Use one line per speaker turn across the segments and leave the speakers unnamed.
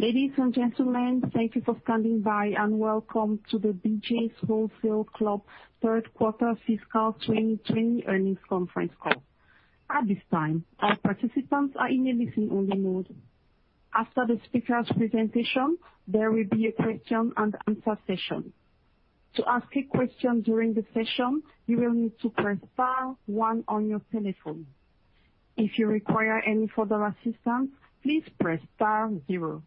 Ladies and gentlemen, thank you for standing by and welcome to the BJ's Wholesale Club Third Quarter Fiscal 2020 Earnings Conference Call. At this time, all participants are in a listen-only mode. After the speakers' presentation, there will be a question and answer session. To ask a question during the session, you will need to press star one on your telephone. If you require any further assistance, please press star zero.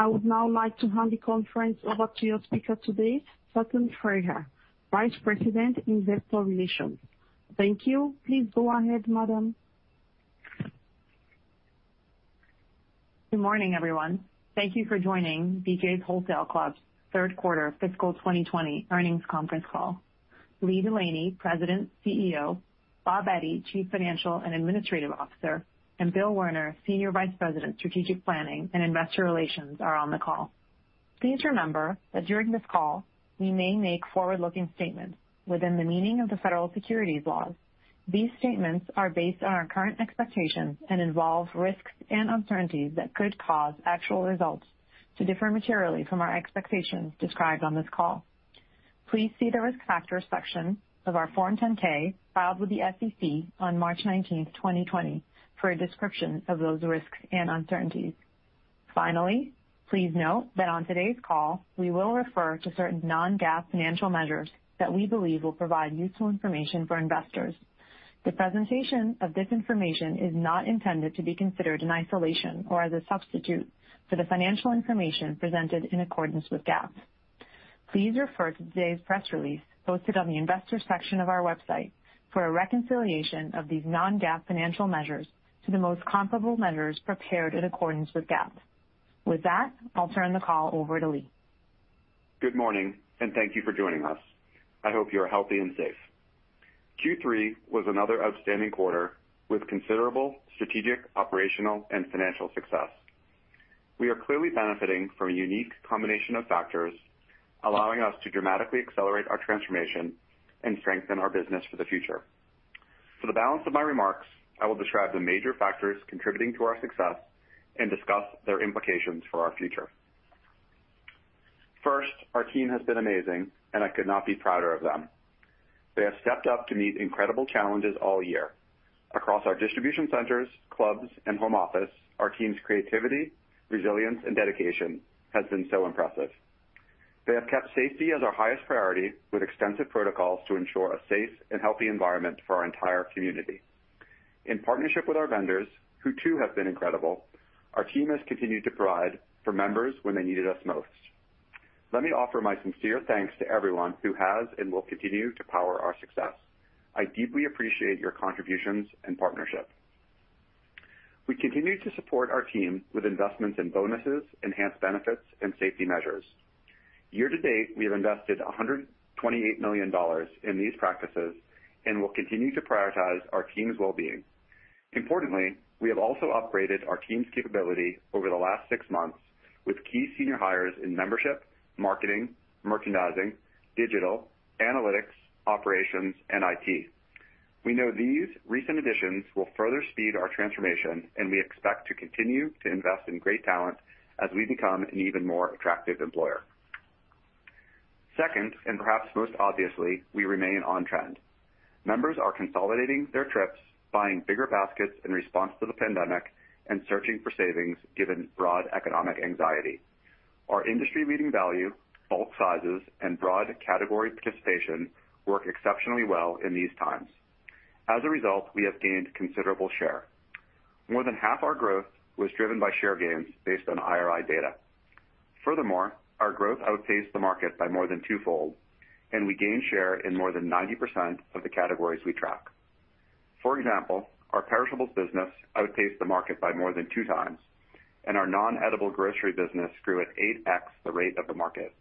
I would now like to hand the conference over to your speaker today, Catherine Park, Vice President, Investor Relations. Thank you. Please go ahead, madam.
Good morning, everyone. Thank you for joining BJ's Wholesale Club's Third Quarter Fiscal 2020 Earnings Conference Call. Lee Delaney, President, CEO, Bob Eddy, Chief Financial and Administrative Officer, Bill Werner, Senior Vice President, Strategic Planning and Investor Relations, are on the call. Please remember that during this call, we may make forward-looking statements within the meaning of the federal securities laws. These statements are based on our current expectations and involve risks and uncertainties that could cause actual results to differ materially from our expectations described on this call. Please see the risk factors section of our Form 10-K filed with the SEC on March 19th, 2020, for a description of those risks and uncertainties. Finally, please note that on today's call, we will refer to certain non-GAAP financial measures that we believe will provide useful information for investors. The presentation of this information is not intended to be considered in isolation or as a substitute for the financial information presented in accordance with GAAP. Please refer to today's press release posted on the investor section of our website for a reconciliation of these non-GAAP financial measures to the most comparable measures prepared in accordance with GAAP. With that, I'll turn the call over to Lee.
Good morning, and thank you for joining us. I hope you are healthy and safe. Q3 was another outstanding quarter with considerable strategic, operational, and financial success. We are clearly benefiting from a unique combination of factors allowing us to dramatically accelerate our transformation and strengthen our business for the future. For the balance of my remarks, I will describe the major factors contributing to our success and discuss their implications for our future. First, our team has been amazing, and I could not be prouder of them. They have stepped up to meet incredible challenges all year. Across our distribution centers, clubs, and home office, our team's creativity, resilience, and dedication has been so impressive. They have kept safety as our highest priority, with extensive protocols to ensure a safe and healthy environment for our entire community. In partnership with our vendors, who too have been incredible, our team has continued to provide for members when they needed us most. Let me offer my sincere thanks to everyone who has and will continue to power our success. I deeply appreciate your contributions and partnership. We continue to support our team with investments in bonuses, enhanced benefits, and safety measures. Year to date, we have invested $128 million in these practices and will continue to prioritize our team's well-being. Importantly, we have also upgraded our team's capability over the last six months with key senior hires in membership, marketing, merchandising, digital, analytics, operations, and IT. We know these recent additions will further speed our transformation, and we expect to continue to invest in great talent as we become an even more attractive employer. Second, and perhaps most obviously, we remain on trend. Members are consolidating their trips, buying bigger baskets in response to the pandemic, and searching for savings given broad economic anxiety. Our industry-leading value, bulk sizes, and broad category participation work exceptionally well in these times. As a result, we have gained considerable share. More than half our growth was driven by share gains based on IRI data. Furthermore, our growth outpaced the market by more than twofold, and we gained share in more than 90% of the categories we track. For example, our perishables business outpaced the market by more than 2x, and our non-edible grocery business grew at 8x the rate of the market.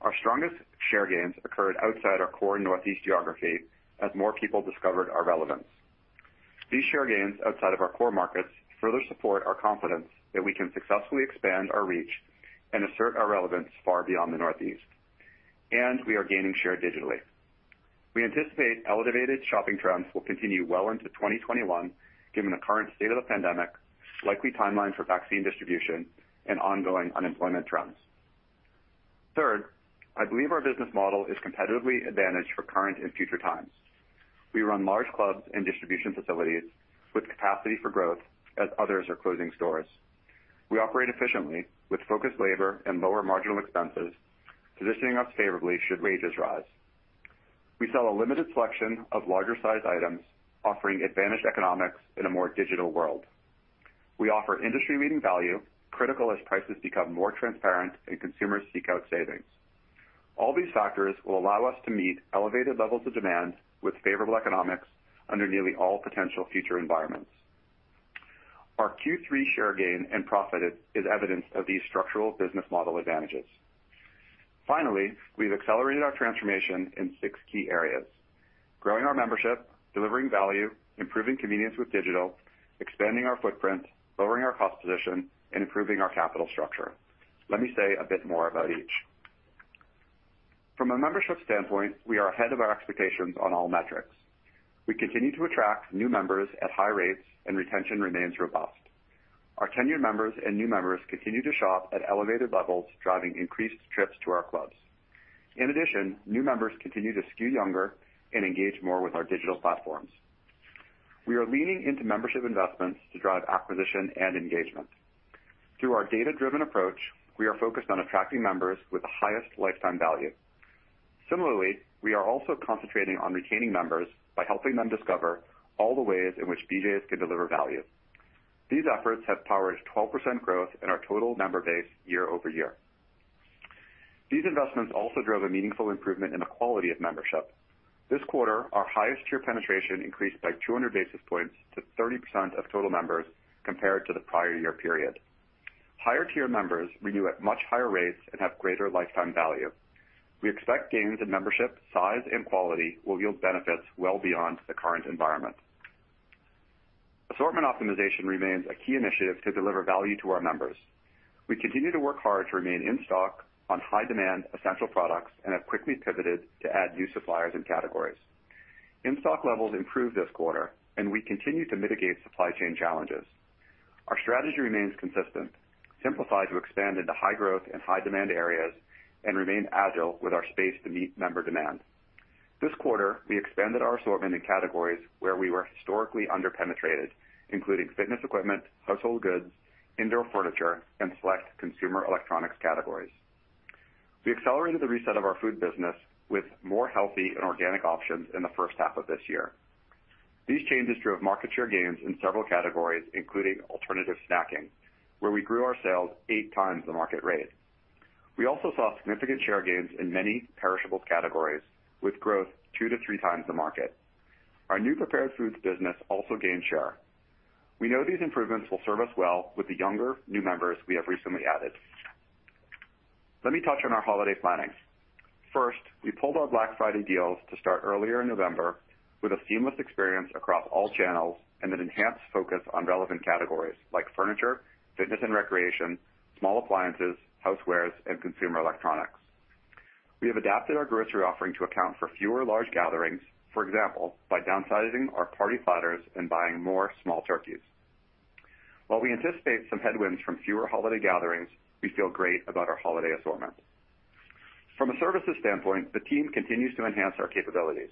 Our strongest share gains occurred outside our core Northeast geography as more people discovered our relevance. These share gains outside of our core markets further support our confidence that we can successfully expand our reach and assert our relevance far beyond the Northeast. We are gaining share digitally. We anticipate elevated shopping trends will continue well into 2021 given the current state of the pandemic, likely timeline for vaccine distribution, and ongoing unemployment trends. Third, I believe our business model is competitively advantaged for current and future times. We run large clubs and distribution facilities with capacity for growth as others are closing stores. We operate efficiently with focused labor and lower marginal expenses, positioning us favorably should wages rise. We sell a limited selection of larger size items, offering advantaged economics in a more digital world. We offer industry-leading value, critical as prices become more transparent and consumers seek out savings. All these factors will allow us to meet elevated levels of demand with favorable economics under nearly all potential future environments. Our Q3 share gain and profit is evidence of these structural business model advantages. Finally, we've accelerated our transformation in six key areas: growing our membership, delivering value, improving convenience with digital, expanding our footprint, lowering our cost position, and improving our capital structure. Let me say a bit more about each. From a membership standpoint, we are ahead of our expectations on all metrics. We continue to attract new members at high rates, and retention remains robust. Our tenured members and new members continue to shop at elevated levels, driving increased trips to our clubs. In addition, new members continue to skew younger and engage more with our digital platforms. We are leaning into membership investments to drive acquisition and engagement. Through our data-driven approach, we are focused on attracting members with the highest lifetime value. Similarly, we are also concentrating on retaining members by helping them discover all the ways in which BJ's can deliver value. These efforts have powered 12% growth in our total member base year-over-year. These investments also drove a meaningful improvement in the quality of membership. This quarter, our highest tier penetration increased by 200 basis points to 30% of total members compared to the prior year period. Higher tier members renew at much higher rates and have greater lifetime value. We expect gains in membership size and quality will yield benefits well beyond the current environment. Assortment optimization remains a key initiative to deliver value to our members. We continue to work hard to remain in stock on high demand, essential products, and have quickly pivoted to add new suppliers and categories. In-stock levels improved this quarter, and we continue to mitigate supply chain challenges. Our strategy remains consistent, simplified to expand into high growth and high demand areas and remain agile with our space to meet member demand. This quarter, we expanded our assortment in categories where we were historically under-penetrated, including fitness equipment, household goods, indoor furniture, and select consumer electronics categories. We accelerated the reset of our food business with more healthy and organic options in the first half of this year. These changes drove market share gains in several categories, including alternative snacking, where we grew our sales 8x the market rate. We also saw significant share gains in many perishables categories, with growth 2x-3x the market. Our new prepared foods business also gained share. We know these improvements will serve us well with the younger new members we have recently added. Let me touch on our holiday planning. First, we pulled our Black Friday deals to start earlier in November with a seamless experience across all channels and an enhanced focus on relevant categories like furniture, fitness and recreation, small appliances, housewares, and consumer electronics. We have adapted our grocery offering to account for fewer large gatherings, for example, by downsizing our party platters and buying more small turkeys. While we anticipate some headwinds from fewer holiday gatherings, we feel great about our holiday assortment. From a services standpoint, the team continues to enhance our capabilities.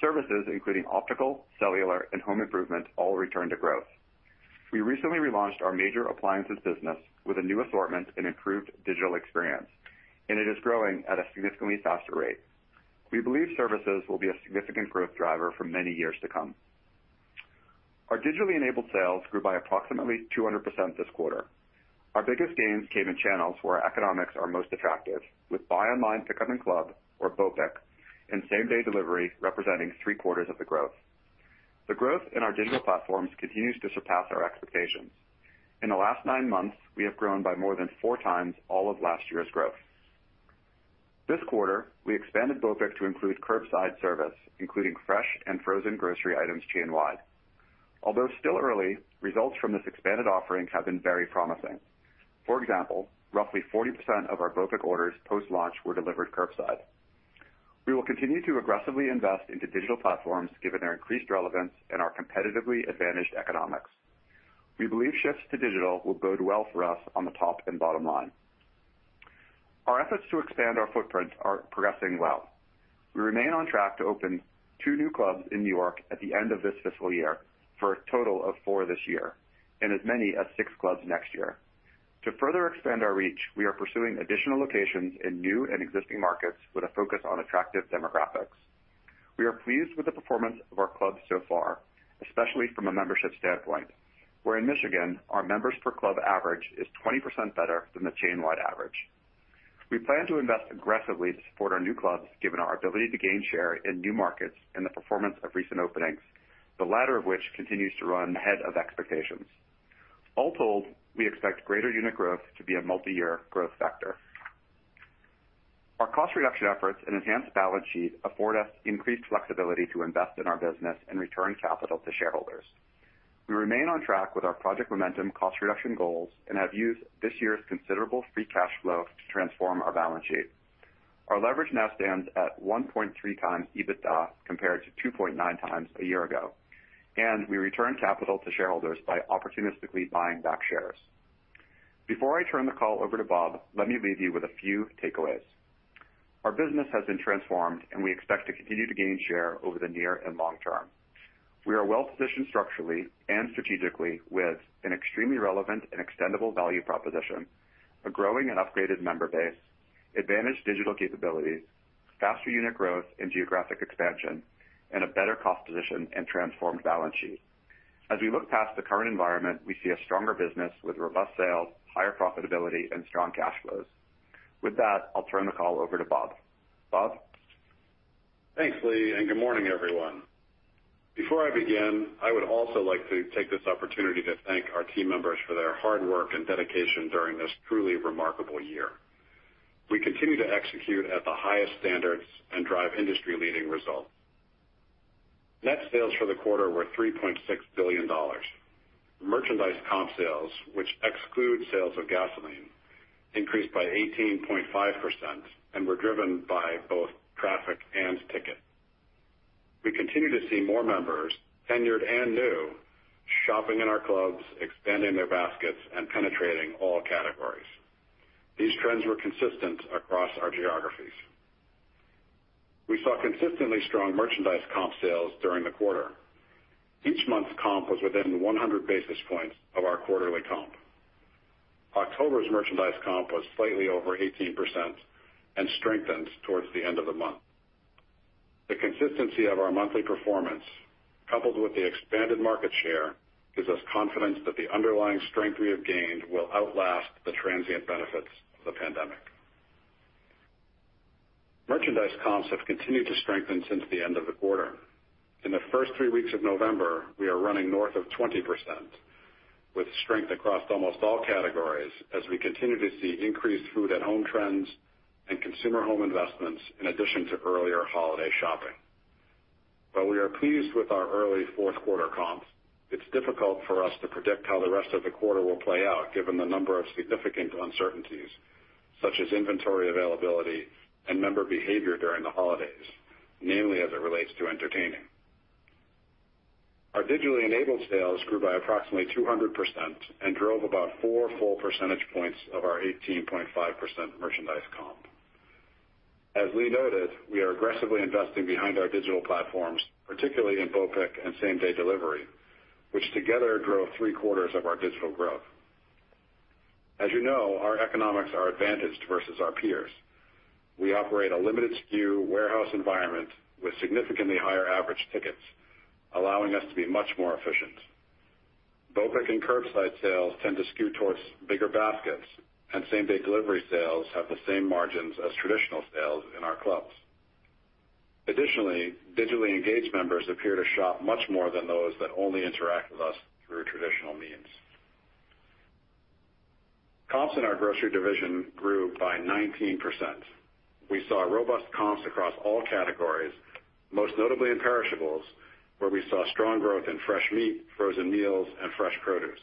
Services including optical, cellular, and home improvement all return to growth. We recently relaunched our major appliances business with a new assortment and improved digital experience, and it is growing at a significantly faster rate. We believe services will be a significant growth driver for many years to come. Our digitally enabled sales grew by approximately 200% this quarter. Our biggest gains came in channels where economics are most attractive, with buy online pick up in-club, or BOPIC, and same-day delivery representing three-quarters of the growth. The growth in our digital platforms continues to surpass our expectations. In the last nine months, we have grown by more than 4x all of last year's growth. This quarter, we expanded BOPIC to include curbside service, including fresh and frozen grocery items chain wide. Although still early, results from this expanded offering have been very promising. For example, roughly 40% of our BOPIC orders post-launch were delivered curbside. We will continue to aggressively invest into digital platforms given their increased relevance and our competitively advantaged economics. We believe shifts to digital will bode well for us on the top and bottom line. Our efforts to expand our footprint are progressing well. We remain on track to open two new clubs in New York at the end of this fiscal year for a total of four this year, and as many as six clubs next year. To further expand our reach, we are pursuing additional locations in new and existing markets with a focus on attractive demographics. We are pleased with the performance of our clubs so far, especially from a membership standpoint, where in Michigan, our members per club average is 20% better than the chain-wide average. We plan to invest aggressively to support our new clubs given our ability to gain share in new markets and the performance of recent openings, the latter of which continues to run ahead of expectations. All told, we expect greater unit growth to be a multi-year growth factor. Our cost reduction efforts and enhanced balance sheet afford us increased flexibility to invest in our business and return capital to shareholders. We remain on track with our Project Momentum cost reduction goals and have used this year's considerable free cash flow to transform our balance sheet. Our leverage now stands at 1.3x EBITDA compared to 2.9x a year ago, and we return capital to shareholders by opportunistically buying back shares. Before I turn the call over to Bob, let me leave you with a few takeaways. Our business has been transformed, and we expect to continue to gain share over the near and long term. We are well positioned structurally and strategically with an extremely relevant and extendable value proposition, a growing and upgraded member base, advantaged digital capabilities, faster unit growth and geographic expansion, and a better cost position and transformed balance sheet. As we look past the current environment, we see a stronger business with robust sales, higher profitability, and strong cash flows. With that, I'll turn the call over to Bob. Bob?
Thanks, Lee. Good morning, everyone. Before I begin, I would also like to take this opportunity to thank our team members for their hard work and dedication during this truly remarkable year. We continue to execute at the highest standards and drive industry-leading results. Net sales for the quarter were $3.6 billion. Merchandise comp sales, which exclude sales of gasoline, increased by 18.5% and were driven by both traffic and ticket. We continue to see more members, tenured and new, shopping in our clubs, expanding their baskets, and penetrating all categories. These trends were consistent across our geographies. We saw consistently strong merchandise comp sales during the quarter. Each month's comp was within 100 basis points of our quarterly comp. October's merchandise comp was slightly over 18% and strengthened towards the end of the month. The consistency of our monthly performance, coupled with the expanded market share, gives us confidence that the underlying strength we have gained will outlast the transient benefits of the pandemic. Merchandise comps have continued to strengthen since the end of the quarter. In the first three weeks of November, we are running north of 20%, with strength across almost all categories as we continue to see increased food at home trends and consumer home investments in addition to earlier holiday shopping. While we are pleased with our early fourth quarter comps, it's difficult for us to predict how the rest of the quarter will play out given the number of significant uncertainties, such as inventory availability and member behavior during the holidays, namely as it relates to entertaining. Our digitally enabled sales grew by approximately 200% and drove about four full percentage points of our 18.5% merchandise comp. As Lee noted, we are aggressively investing behind our digital platforms, particularly in BOPIC and same-day delivery, which together drove three-quarters of our digital growth. As you know, our economics are advantaged versus our peers. We operate a limited SKU warehouse environment with significantly higher average tickets, allowing us to be much more efficient. BOPIC and curbside sales tend to skew towards bigger baskets, and same-day delivery sales have the same margins as traditional sales in our clubs. Additionally, digitally engaged members appear to shop much more than those that only interact with us through traditional means. Comps in our grocery division grew by 19%. We saw robust comps across all categories, most notably in perishables, where we saw strong growth in fresh meat, frozen meals and fresh produce.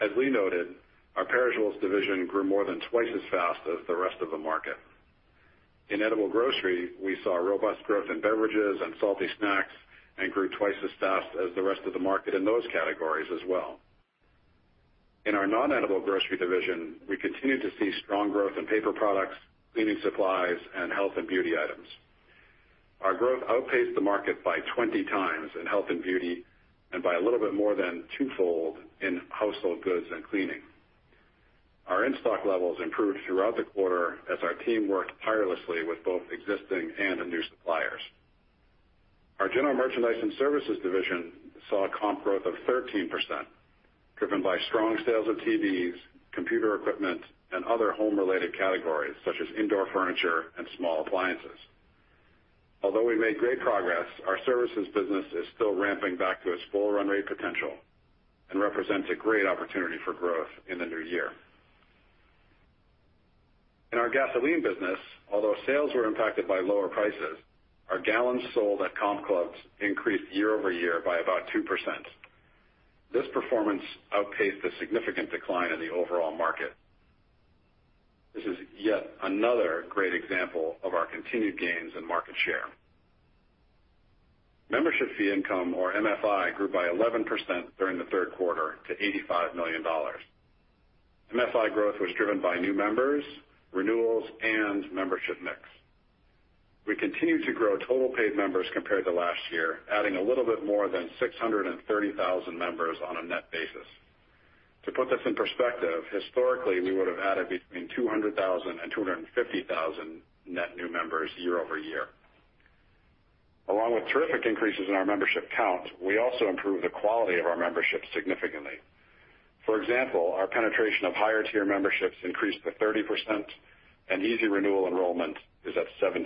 As Lee noted, our perishables division grew more than twice as fast as the rest of the market. In edible grocery, we saw robust growth in beverages and salty snacks and grew twice as fast as the rest of the market in those categories as well. In our non-edible grocery division, we continue to see strong growth in paper products, cleaning supplies, and health and beauty items. Our growth outpaced the market by 20x in health and beauty, and by a little bit more than twofold in household goods and cleaning. Our in-stock levels improved throughout the quarter as our team worked tirelessly with both existing and new suppliers. Our general merchandise and services division saw a comp growth of 13%, driven by strong sales of TVs, computer equipment, and other home-related categories such as indoor furniture and small appliances. Although we've made great progress, our services business is still ramping back to its full run rate potential and represents a great opportunity for growth in the new year. In our gasoline business, although sales were impacted by lower prices, our gallons sold at comp clubs increased year-over-year by about 2%. This performance outpaced the significant decline in the overall market. This is yet another great example of our continued gains in market share. Membership Fee Income, or MFI, grew by 11% during the third quarter to $85 million. MFI growth was driven by new members, renewals, and membership mix. We continue to grow total paid members compared to last year, adding a little bit more than 630,000 members on a net basis. To put this in perspective, historically, we would have added between 200,000 and 250,000 net new members year-over-year. Along with terrific increases in our membership count, we also improved the quality of our membership significantly. For example, our penetration of higher-tier memberships increased to 30%, and easy renewal enrollment is at 70%.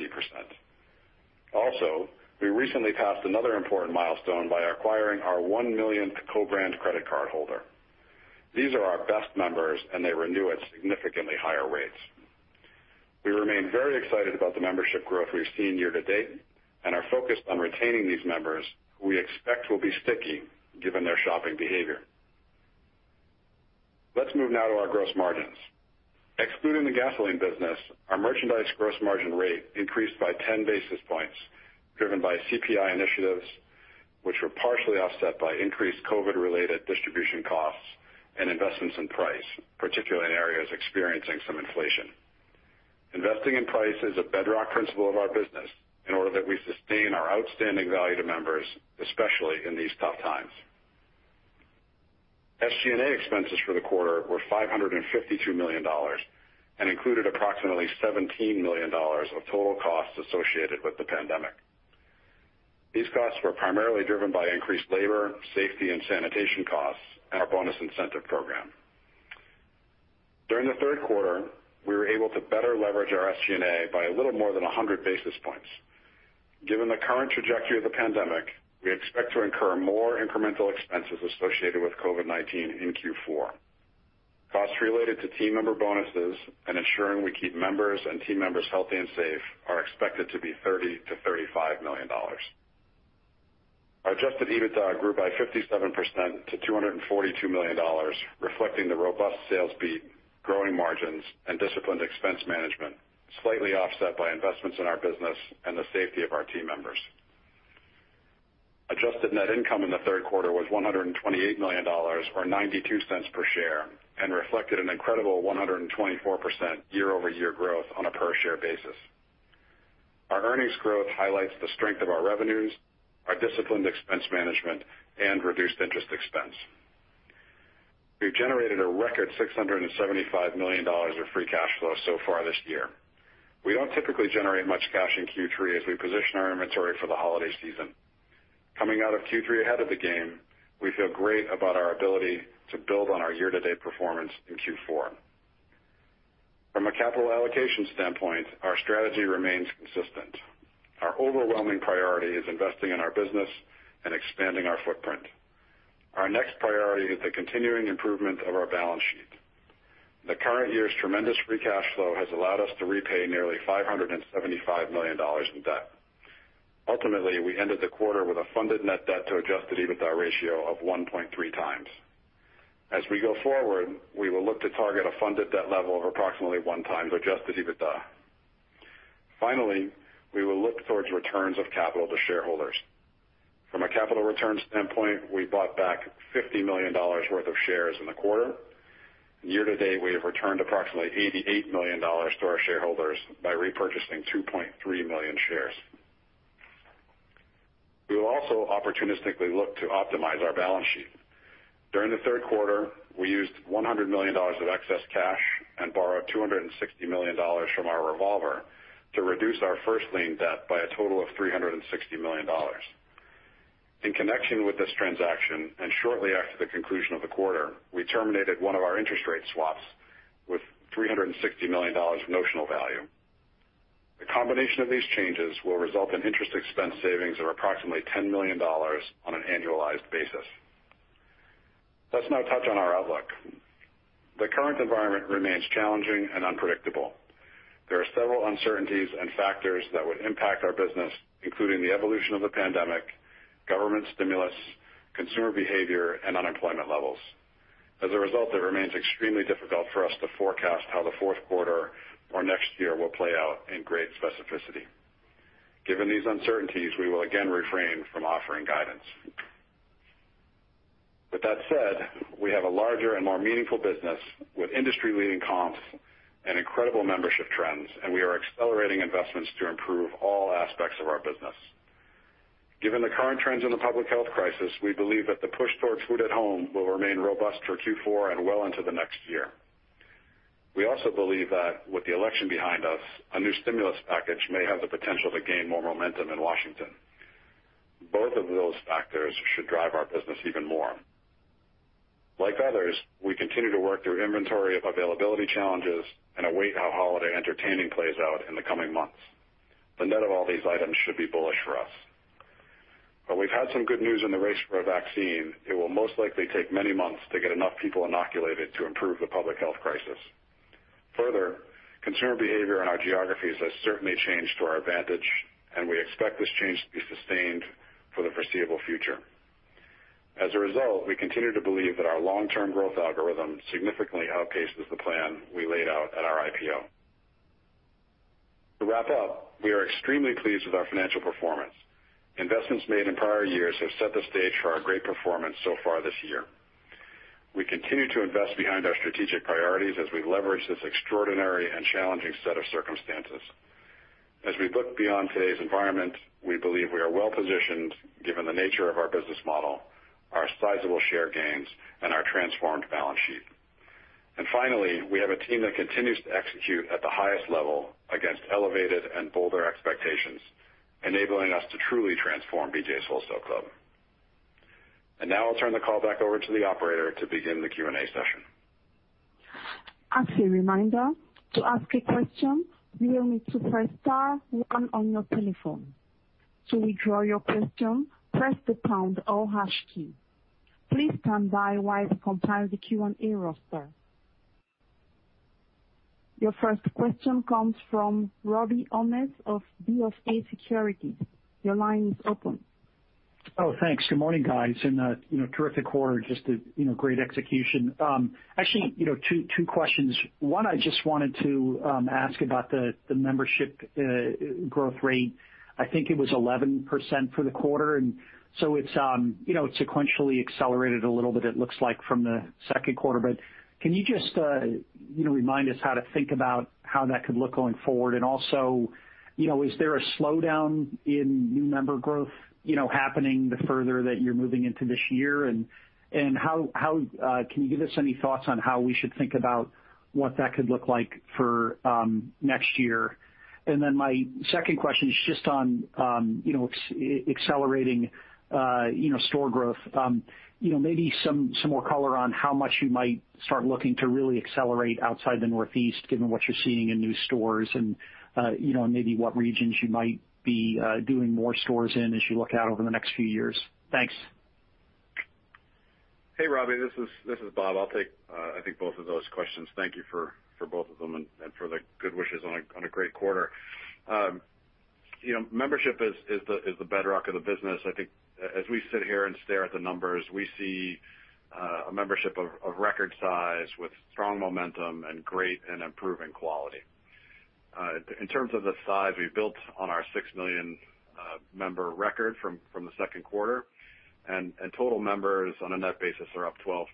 We recently passed another important milestone by acquiring our 1 millionth co-brand credit card holder. These are our best members and they renew at significantly higher rates. We remain very excited about the membership growth we've seen year to date and are focused on retaining these members who we expect will be sticky given their shopping behavior. Let's move now to our gross margins. Excluding the gasoline business, our merchandise gross margin rate increased by 10 basis points, driven by CPI initiatives, which were partially offset by increased COVID-related distribution costs and investments in price, particularly in areas experiencing some inflation. Investing in price is a bedrock principle of our business in order that we sustain our outstanding value to members, especially in these tough times. SG&A expenses for the quarter were $552 million and included approximately $17 million of total costs associated with the pandemic. These costs were primarily driven by increased labor, safety, and sanitation costs, and our bonus incentive program. During the third quarter, we were able to better leverage our SG&A by a little more than 100 basis points. Given the current trajectory of the pandemic, we expect to incur more incremental expenses associated with COVID-19 in Q4. Costs related to team member bonuses and ensuring we keep members and team members healthy and safe are expected to be $30 million-$35 million. Our adjusted EBITDA grew by 57% to $242 million, reflecting the robust sales beat, growing margins and disciplined expense management, slightly offset by investments in our business and the safety of our team members. Adjusted net income in the third quarter was $128 million, or $0.92 per share, and reflected an incredible 124% year-over-year growth on a per-share basis. Our earnings growth highlights the strength of our revenues, our disciplined expense management, and reduced interest expense. We've generated a record $675 million of free cash flow so far this year. We don't typically generate much cash in Q3 as we position our inventory for the holiday season. Coming out of Q3 ahead of the game, we feel great about our ability to build on our year-to-date performance in Q4. From a capital allocation standpoint, our strategy remains consistent. Our overwhelming priority is investing in our business and expanding our footprint. Our next priority is the continuing improvement of our balance sheet. The current year's tremendous free cash flow has allowed us to repay nearly $575 million in debt. Ultimately, we ended the quarter with a funded net debt to adjusted EBITDA ratio of 1.3x. As we go forward, we will look to target a funded debt level of approximately 1x adjusted EBITDA. Finally, we will look towards returns of capital to shareholders. From a capital return standpoint, we bought back $50 million worth of shares in the quarter. Year to date, we have returned approximately $88 million to our shareholders by repurchasing 2.3 million shares. We will also opportunistically look to optimize our balance sheet. During the third quarter, we used $100 million of excess cash and borrowed $260 million from our revolver to reduce our first lien debt by a total of $360 million. In connection with this transaction, and shortly after the conclusion of the quarter, we terminated one of our interest rate swaps with $360 million of notional value. The combination of these changes will result in interest expense savings of approximately $10 million on an annualized basis. Let's now touch on our outlook. The current environment remains challenging and unpredictable. There are several uncertainties and factors that would impact our business, including the evolution of the pandemic, government stimulus, consumer behavior, and unemployment levels. As a result, it remains extremely difficult for us to forecast how the fourth quarter or next year will play out in great specificity. Given these uncertainties, we will again refrain from offering guidance. With that said, we have a larger and more meaningful business with industry-leading comps and incredible membership trends, and we are accelerating investments to improve all aspects of our business. Given the current trends in the public health crisis, we believe that the push towards food at home will remain robust for Q4 and well into the next year. We also believe that with the election behind us, a new stimulus package may have the potential to gain more momentum in Washington. Both of those factors should drive our business even more. Like others, we continue to work through inventory of availability challenges and await how holiday entertaining plays out in the coming months. The net of all these items should be bullish for us. We've had some good news in the race for a vaccine. It will most likely take many months to get enough people inoculated to improve the public health crisis. Further, consumer behavior in our geographies has certainly changed to our advantage, and we expect this change to be sustained for the foreseeable future. As a result, we continue to believe that our long-term growth algorithm significantly outpaces the plan we laid out at our IPO. To wrap up, we are extremely pleased with our financial performance. Investments made in prior years have set the stage for our great performance so far this year. We continue to invest behind our strategic priorities as we leverage this extraordinary and challenging set of circumstances. As we look beyond today's environment, we believe we are well-positioned given the nature of our business model, our sizable share gains, and our transformed balance sheet. Finally, we have a team that continues to execute at the highest level against elevated and bolder expectations, enabling us to truly transform BJ's Wholesale Club. Now I'll turn the call back over to the operator to begin the Q&A session.
As a reminder, to ask a question you will need to press star one on your telephone. To withdraw your question, press the pound or hash key. Please standby while I compile the Q&A roster. Your first question comes from Robert Ohmes of BofA Securities.
Oh, thanks. Good morning, guys, and terrific quarter, just great execution. Actually, two questions. One, I just wanted to ask about the membership growth rate. I think it was 11% for the quarter, and so it sequentially accelerated a little bit, it looks like, from the second quarter. Can you just remind us how to think about how that could look going forward? Also, is there a slowdown in new member growth happening the further that you're moving into this year? Can you give us any thoughts on how we should think about what that could look like for next year? Then my second question is just on accelerating store growth. Maybe some more color on how much you might start looking to really accelerate outside the Northeast, given what you're seeing in new stores and maybe what regions you might be doing more stores in as you look out over the next few years. Thanks.
Hey, Robbie, this is Bob. I'll take, I think both of those questions. Thank you for both of them and for the good wishes on a great quarter. Membership is the bedrock of the business. I think as we sit here and stare at the numbers, we see a membership of record size with strong momentum and great and improving quality. In terms of the size, we've built on our 6 million member record from the second quarter, and total members on a net basis are up 12%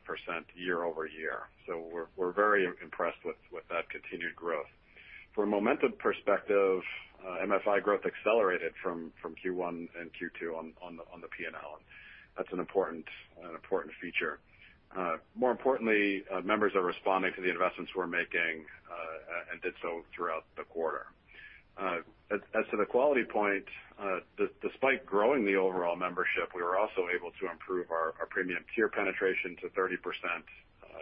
year-over-year. So we're very impressed with that continued growth. From a momentum perspective, MFI growth accelerated from Q1 and Q2 on the P&L. That's an important feature. More importantly, members are responding to the investments we're making and did so throughout the quarter. As to the quality point, despite growing the overall membership, we were also able to improve our premium tier penetration to 30%,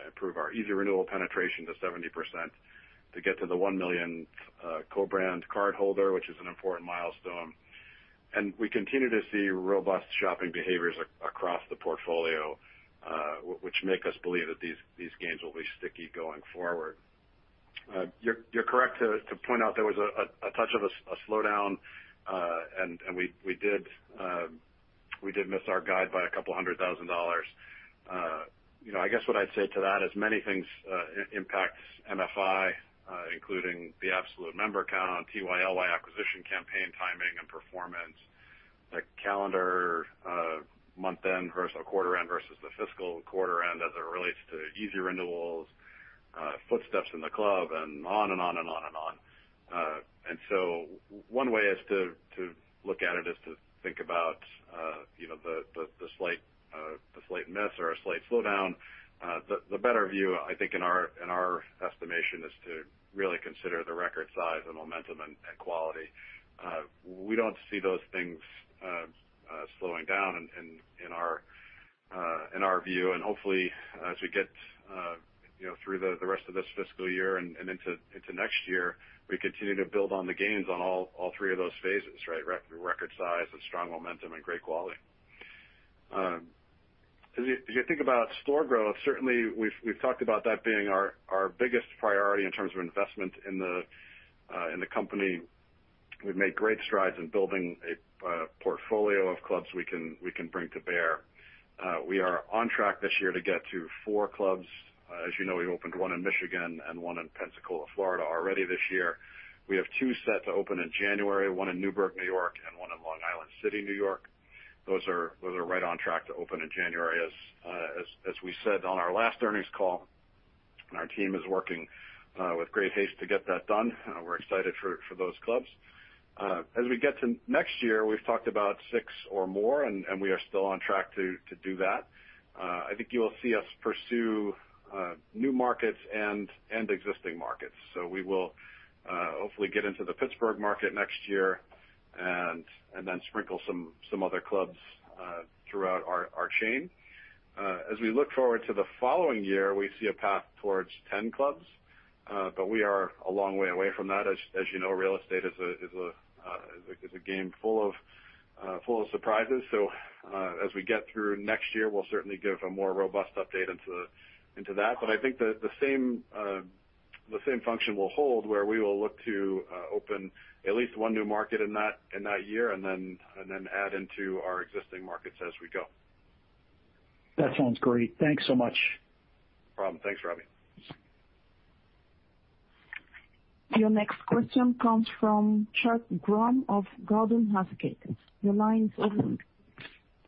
improve our easy renewal penetration to 70%, to get to the 1 million co-brand cardholder, which is an important milestone. We continue to see robust shopping behaviors across the portfolio, which make us believe that these gains will be sticky going forward. You're correct to point out there was a touch of a slowdown, and we did miss our guide by a couple hundred thousand dollars. I guess what I'd say to that is many things impact MFI, including the absolute member count on TYLY acquisition campaign timing and performance, the calendar month end versus quarter end versus the fiscal quarter end as it relates to easy renewals, footsteps in the club, and on and on. One way is to look at it is to think about the slight miss or a slight slowdown. The better view, I think, in our estimation, is to really consider the record size and momentum and quality. We don't see those things slowing down in our view. Hopefully, as we get through the rest of this fiscal year and into next year, we continue to build on the gains on all three of those phases, right? Record size with strong momentum and great quality. As you think about store growth, certainly we've talked about that being our biggest priority in terms of investment in the company. We've made great strides in building a portfolio of clubs we can bring to bear. We are on track this year to get to four clubs. As you know, we opened one in Michigan and one in Pensacola, Florida, already this year. We have two set to open in January, one in Newburgh, New York, and one in Long Island City, New York. Those are right on track to open in January, as we said on our last earnings call, and our team is working with great haste to get that done. We're excited for those clubs. As we get to next year, we've talked about six or more, and we are still on track to do that. I think you will see us pursue new markets and existing markets. We will hopefully get into the Pittsburgh market next year and then sprinkle some other clubs throughout our chain. As we look forward to the following year, we see a path towards 10 clubs, but we are a long way away from that. As you know, real estate is a game full of surprises. As we get through next year, we'll certainly give a more robust update into that. I think the same function will hold where we will look to open at least one new market in that year and then add into our existing markets as we go.
That sounds great. Thanks so much.
No problem. Thanks, Robbie.
Your next question comes from Chuck Grom of Gordon Haskett. Your line is open.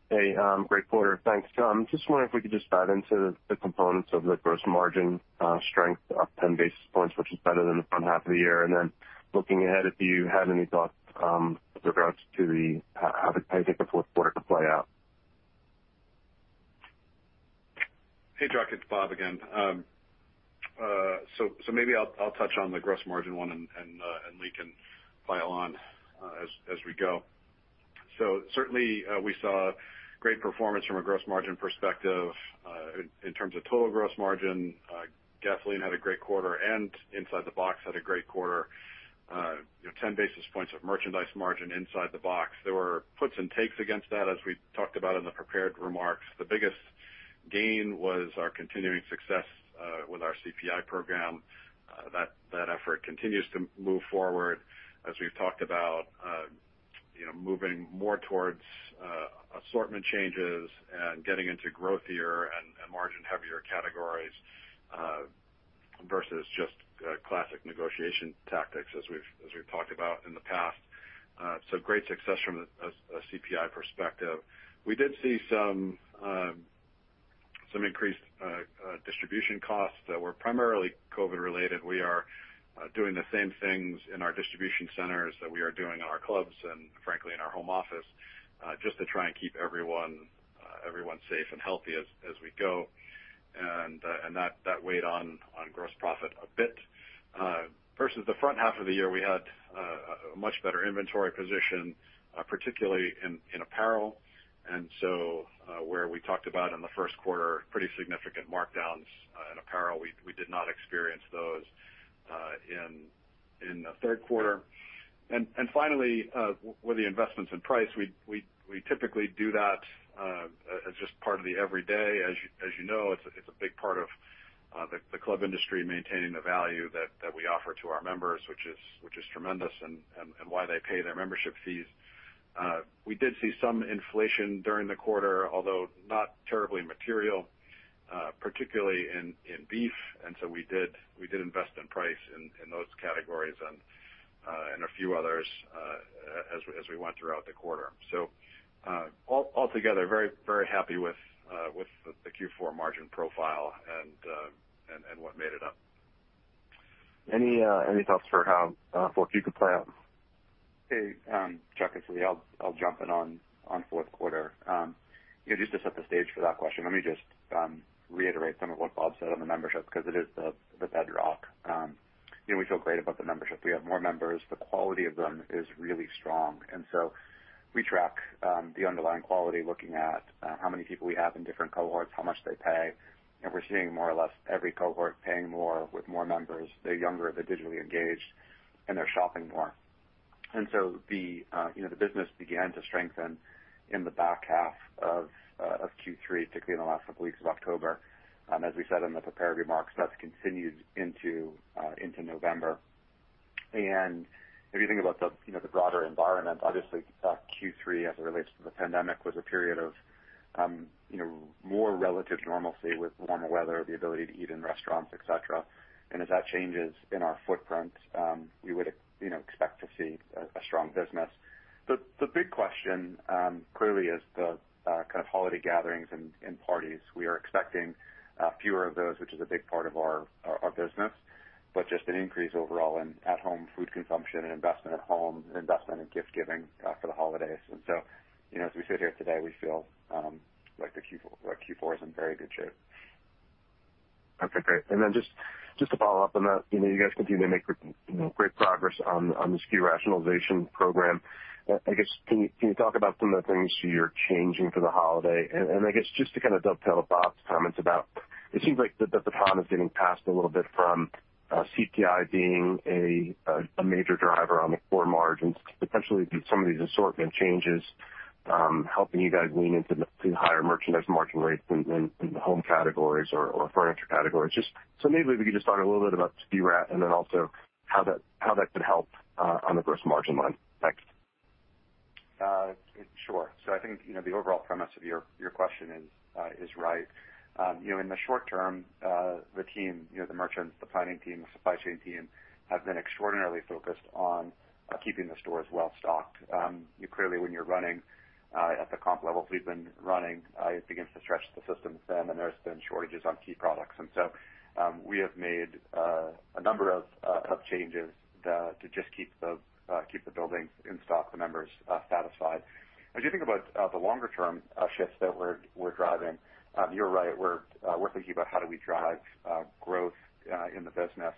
Hey, great quarter. Thanks. Just wondering if we could just dive into the components of the gross margin strength up 10 basis points, which is better than the front half of the year. Looking ahead, if you had any thoughts with regards to how you think the fourth quarter could play out.
Hey, Chuck, it's Bob again. Maybe I'll touch on the gross margin one, and Lee can pile on as we go. Certainly, we saw great performance from a gross margin perspective. In terms of total gross margin, gasoline had a great quarter and inside the box had a great quarter. 10 basis points of merchandise margin inside the box. There were puts and takes against that, as we talked about in the prepared remarks. The biggest gain was our continuing success with our CPI program. That effort continues to move forward as we've talked about moving more towards assortment changes and getting into growthier and margin heavier categories versus just classic negotiation tactics as we've talked about in the past. Great success from a CPI perspective. We did see some increased distribution costs that were primarily COVID-19 related. We are doing the same things in our distribution centers that we are doing in our clubs and frankly, in our home office, just to try and keep everyone safe and healthy as we go. That weighed on gross profit a bit. Versus the front half of the year, we had a much better inventory position, particularly in apparel. Where we talked about in the first quarter, pretty significant markdowns in apparel, we did not experience those in the third quarter. Finally, with the investments in price, we typically do that as just part of the every day. As you know, it's a big part of the club industry maintaining the value that we offer to our members, which is tremendous and why they pay their membership fees. We did see some inflation during the quarter, although not terribly material, particularly in beef, so we did invest in price in those categories and a few others as we went throughout the quarter. Altogether, very happy with the Q4 margin profile and what made it up.
Any thoughts for how fourth quarter could play out?
Hey, Chuck, it's Lee. I'll jump in on fourth quarter. Just to set the stage for that question, let me just reiterate some of what Bob said on the membership, because it is the bedrock. We feel great about the membership. We have more members. The quality of them is really strong. We track the underlying quality, looking at how many people we have in different cohorts, how much they pay, and we're seeing more or less every cohort paying more with more members. They're younger, they're digitally engaged, and they're shopping more. The business began to strengthen in the back half of Q3, particularly in the last couple of weeks of October. As we said in the prepared remarks, that's continued into November. If you think about the broader environment, obviously Q3 as it relates to the pandemic, was a period of more relative normalcy with warmer weather, the ability to eat in restaurants, et cetera. As that changes in our footprint, we would expect to see a strong business. The big question clearly is the kind of holiday gatherings and parties. We are expecting fewer of those, which is a big part of our business, but just an increase overall in at-home food consumption and investment at home and investment in gift giving for the holidays. As we sit here today, we feel like Q4 is in very good shape.
Okay, great. Just to follow up on that, you guys continue to make great progress on the SKU rationalization program. I guess, can you talk about some of the things you're changing for the holiday? I guess just to kind of dovetail to Bob's comments about, it seems like the baton is getting passed a little bit from CPI being a major driver on the core margins to potentially some of these assortment changes helping you guys lean into higher merchandise margin rates in the home categories or furniture categories. Maybe we could just talk a little bit about SKU rat and then also how that could help on the gross margin line. Thanks.
Sure. I think the overall premise of your question is right. In the short term, the team, the merchants, the planning team, the supply chain team, have been extraordinarily focused on keeping the stores well-stocked. Clearly, when you're running at the comp levels we've been running, it begins to stretch the system thin, and there's been shortages on key products. We have made a number of changes to just keep the building in stock, the members satisfied. As you think about the longer-term shifts that we're driving, you're right. We're thinking about how do we drive growth in the business.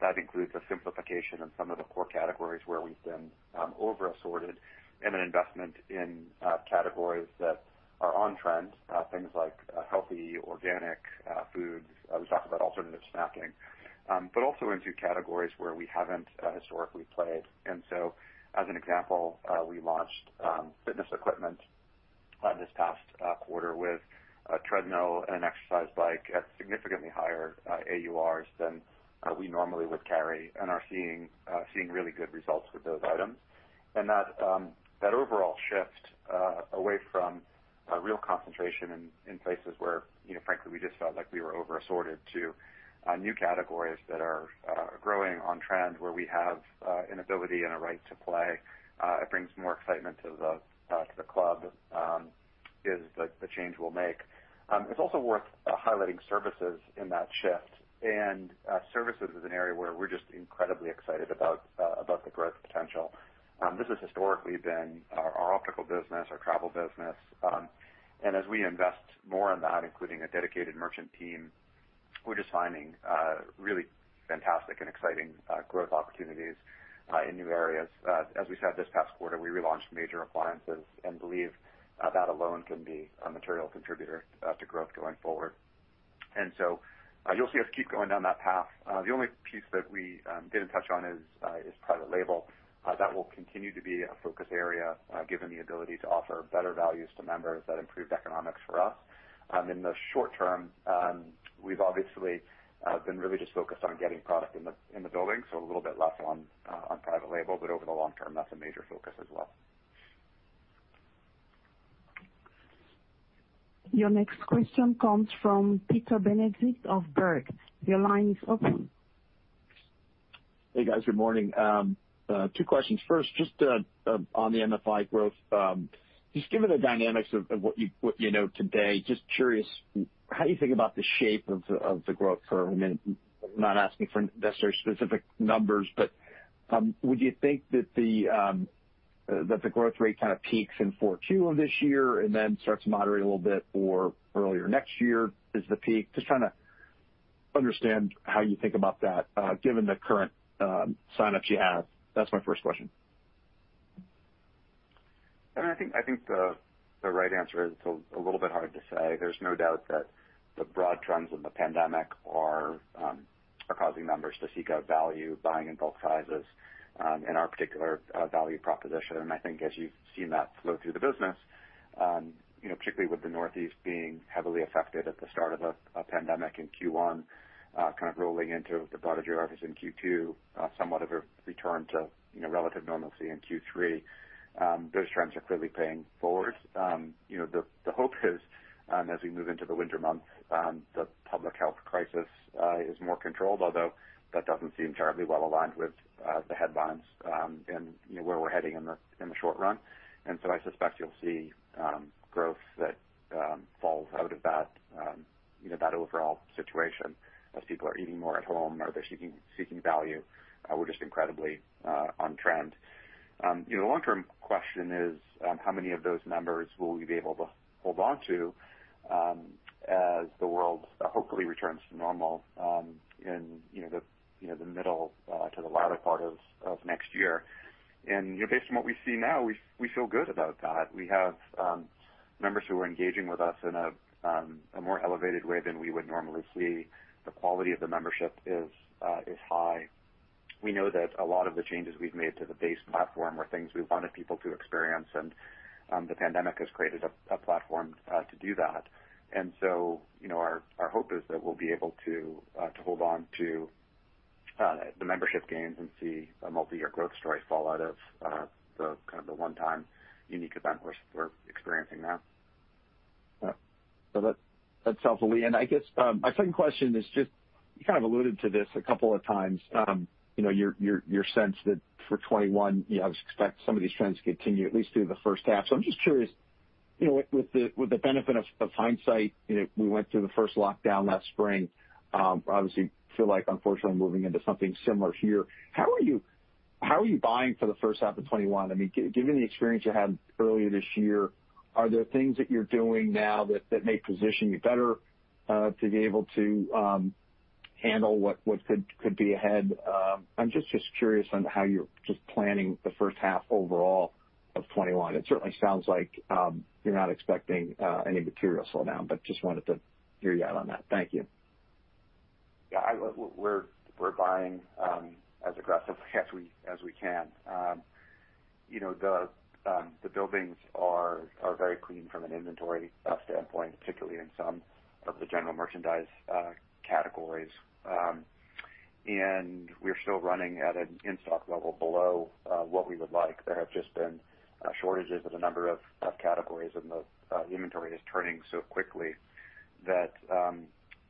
That includes a simplification in some of the core categories where we've been over-assorted, and an investment in categories that are on trend, things like healthy organic foods. We talk about alternative snacking. Also into categories where we haven't historically played. As an example, we launched fitness equipment this past quarter with a treadmill and an exercise bike at significantly higher AURs than we normally would carry and are seeing really good results with those items. That overall shift away from a real concentration in places where frankly, we just felt like we were over-assorted to new categories that are growing on trend, where we have an ability and a right to play. It brings more excitement to the club, is the change we'll make. It's also worth highlighting services in that shift, and services is an area where we're just incredibly excited about the growth potential. This has historically been our optical business, our travel business. As we invest more in that, including a dedicated merchant team, we're just finding really fantastic and exciting growth opportunities in new areas. As we said this past quarter, we relaunched major appliances and believe that alone can be a material contributor to growth going forward. You'll see us keep going down that path. The only piece that we didn't touch on is private label. That will continue to be a focus area, given the ability to offer better values to members that improve economics for us. In the short term, we've obviously been really just focused on getting product in the building, so a little bit less on private label, but over the long term, that's a major focus as well.
Your next question comes from Peter Benedict of Baird. Your line is open.
Hey, guys. Good morning. Two questions. First, just on the MFI growth. Just given the dynamics of what you know today, just curious, how do you think about the shape of the growth curve? I'm not asking for necessarily specific numbers, but would you think that the growth rate kind of peaks in 4Q of this year and then starts to moderate a little bit or earlier next year is the peak? Just trying to understand how you think about that given the current signups you have. That's my first question.
I think the right answer is it's a little bit hard to say. There's no doubt that the broad trends in the pandemic are causing members to seek out value, buying in bulk sizes, and our particular value proposition. I think as you've seen that flow through the business, particularly with the Northeast being heavily affected at the start of the pandemic in Q1, rolling into the broader geographies in Q2, somewhat of a return to relative normalcy in Q3. Those trends are clearly paying forward. The hope is, as we move into the winter months, the public health crisis is more controlled, although that doesn't seem terribly well aligned with the headlines and where we're heading in the short run. I suspect you'll see growth that falls out of that overall situation as people are eating more at home or they're seeking value. We're just incredibly on-trend. The long-term question is how many of those members will we be able to hold on to as the world hopefully returns to normal in the middle to the latter part of next year. Based on what we see now, we feel good about that. We have members who are engaging with us in a more elevated way than we would normally see. The quality of the membership is high. We know that a lot of the changes we've made to the base platform are things we wanted people to experience, and the pandemic has created a platform to do that. Our hope is that we'll be able to hold on to the membership gains and see a multi-year growth story fall out of the one-time unique event we're experiencing now.
That's helpful, Lee. I guess my second question is just, you kind of alluded to this a couple of times, your sense that for 2021, you obviously expect some of these trends to continue at least through the first half. I'm just curious, with the benefit of hindsight, we went through the first lockdown last spring. Obviously feel like unfortunately moving into something similar here. How are you buying for the first half of 2021? Given the experience you had earlier this year, are there things that you're doing now that may position you better to be able to handle what could be ahead? I'm just curious on how you're just planning the first half overall of 2021. It certainly sounds like you're not expecting any material slowdown, just wanted to hear you out on that. Thank you.
Yeah. We're buying as aggressively as we can. The buildings are very clean from an inventory standpoint, particularly in some of the general merchandise categories. We're still running at an in-stock level below what we would like. There have just been shortages of a number of categories, and the inventory is turning so quickly that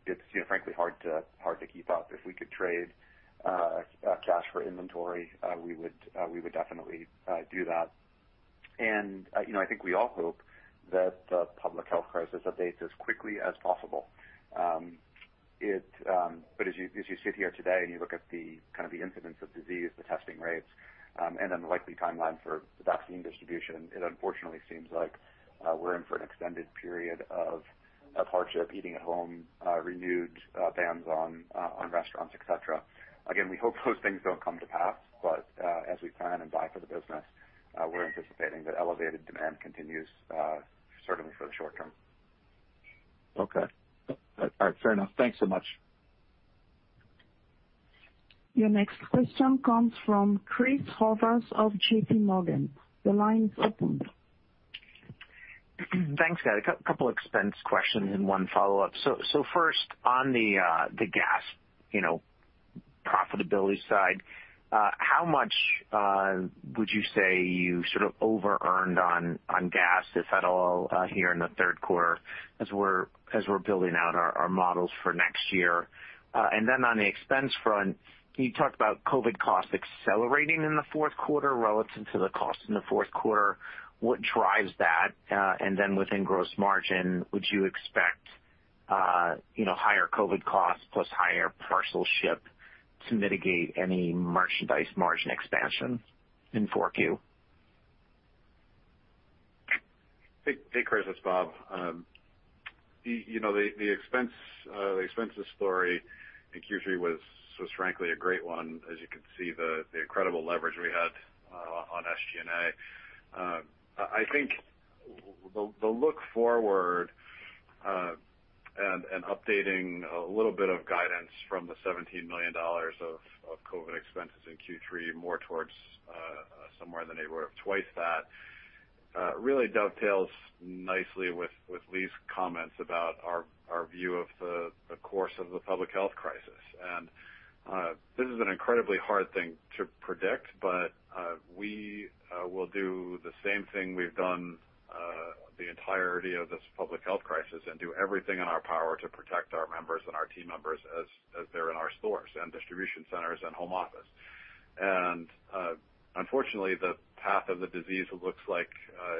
it's frankly hard to keep up. If we could trade cash for inventory, we would definitely do that. I think we all hope that the public health crisis abates as quickly as possible. As you sit here today and you look at the incidence of disease, the testing rates, and then the likely timeline for vaccine distribution, it unfortunately seems like we're in for an extended period of hardship, eating at home, renewed bans on restaurants, et cetera. We hope those things don't come to pass, but as we plan and buy for the business, we're anticipating that elevated demand continues, certainly for the short term.
Okay. All right. Fair enough. Thanks so much.
Your next question comes from Chris Horvers of JPMorgan. The line is open.
Thanks, guys. A couple expense questions and one follow-up. First, on the gas profitability side, how much would you say you over earned on gas, if at all, here in the third quarter as we're building out our models for next year? On the expense front, can you talk about COVID costs accelerating in the fourth quarter relative to the cost in the fourth quarter? What drives that? Within gross margin, would you expect higher COVID costs plus higher parcel shipped to mitigate any merchandise margin expansion in 4Q?
Hey, Chris. It's Bob. The expenses story in Q3 was frankly a great one, as you can see the incredible leverage we had on SG&A. I think the look forward and updating a little bit of guidance from the $17 million of COVID expenses in Q3 more towards somewhere in the neighborhood of twice that, really dovetails nicely with Lee's comments about our view of the course of the public health crisis. This is an incredibly hard thing to predict, but we will do the same thing we've done the entirety of this public health crisis and do everything in our power to protect our members and our team members as they're in our stores and distribution centers and home office. Unfortunately, the path of the disease looks like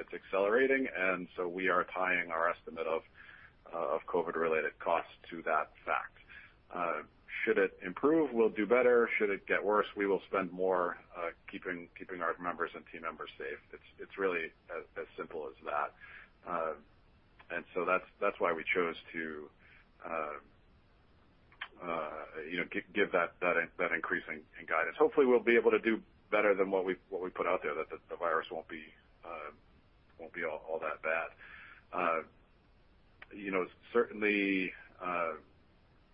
it's accelerating, and so we are tying our estimate of COVID related costs to that fact. Should it improve, we'll do better. Should it get worse, we will spend more keeping our members and team members safe. It's really as simple as that. That's why we chose to give that increase in guidance. Hopefully, we'll be able to do better than what we put out there, that the virus won't be all that bad.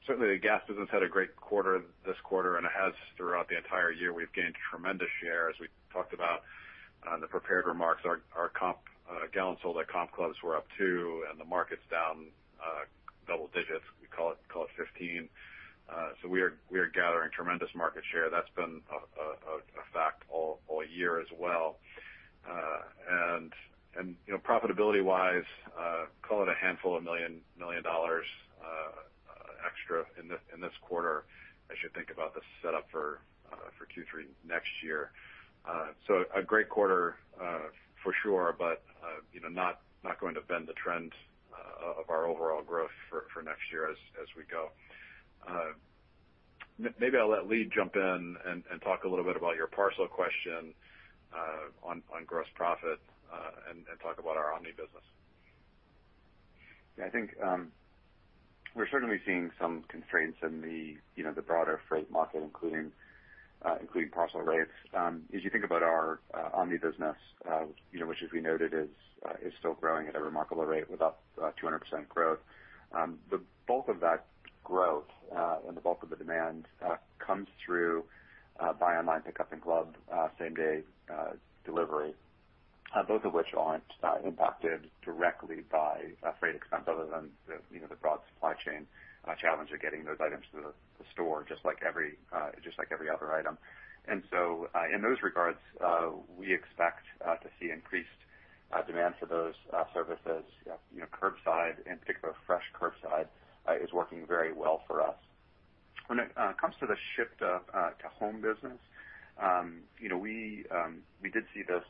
Certainly, the gas business had a great quarter this quarter, and it has throughout the entire year. We've gained tremendous share, as we talked about in the prepared remarks. Our gallons sold at comp clubs were up two, the market's down double digits. We call it 15. We are gathering tremendous market share. That's been a fact all year as well. Profitability-wise, call it a handful of million dollars extra in this quarter, as you think about the setup for Q3 next year. A great quarter for sure, not going to bend the trend of our overall growth for next year as we go. Maybe I'll let Lee jump in and talk a little bit about your parcel question on gross profit, and talk about our omni business.
I think we're certainly seeing some constraints in the broader freight market, including parcel rates. As you think about our omni business, which, as we noted, is still growing at a remarkable rate. We're about 200% growth. The bulk of that growth and the bulk of the demand comes through buy online pickup in club same-day delivery, both of which aren't impacted directly by freight expense other than the broad supply chain challenge of getting those items to the store, just like every other item. In those regards, we expect to see increased demand for those services. Curbside, in particular fresh curbside, is working very well for us. When it comes to the ship to home business, we did see this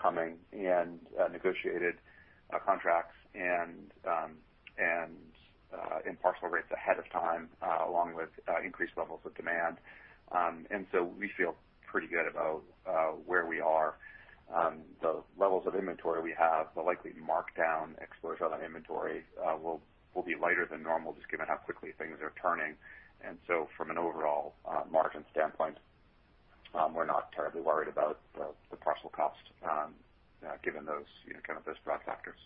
coming and negotiated contracts and parcel rates ahead of time, along with increased levels of demand. We feel pretty good about where we are. The levels of inventory we have, the likely markdown exposure on inventory will be lighter than normal, just given how quickly things are turning. From an overall margin standpoint, we're not terribly worried about the parcel cost given those kind of those broad factors.